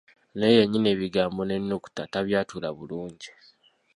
Naye yennyini ebigambo n’ennukuta tabyatula bulungi.